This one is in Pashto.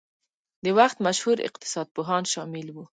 د وخت مشهور اقتصاد پوهان شامل وو.